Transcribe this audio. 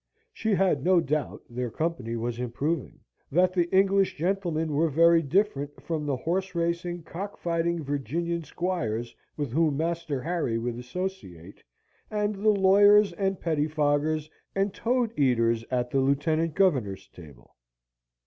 She had no doubt their company was improving, that the English gentlemen were very different from the horse racing, cock fighting Virginian squires, with whom Master Harry would associate, and the lawyers, and pettifoggers, and toad eaters at the lieutenant governor's table.